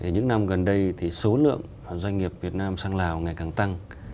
những năm gần đây thì số lượng doanh nghiệp việt nam sang lào ngày càng tăng